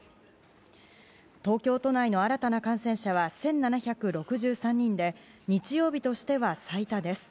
東京都内の新たな感染者は１７６３人で日曜日としては最多です。